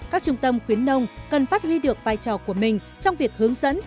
các trung tâm khuyến nông cần phát huy được vai trò của mình trong việc hướng dẫn